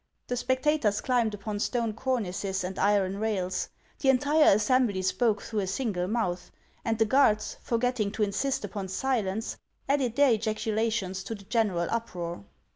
The spectacors climbed upon stone cornices and iron rails ; the entire assembly spoke through a single mouth; and the guards, forgetting to insist upon silence, added their ejaculations to the general uproar.